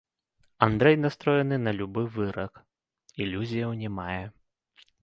Андрэй настроены на любы вырак, ілюзіяў не мае.